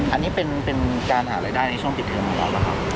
อันนี้เป็นการหารายได้ในช่วงติดเวลาเหรอครับค่ะ